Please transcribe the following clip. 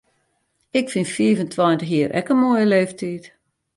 Ik fyn fiif en tweintich jier ek in moaie leeftyd.